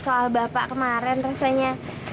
soal bapak kemarin rasanya